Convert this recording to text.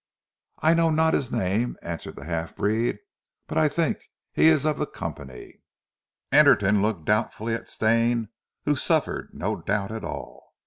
"I not know hees name," answered the half breed, "but I tink he ees of zee Company." Anderton looked doubtfully at Stane who suffered no doubt at all.